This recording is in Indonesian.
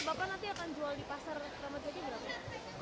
bapak nanti akan jual di pasar ramai ramai berapa